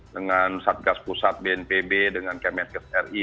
dengan satgas pusat bnpb dengan kmsk tri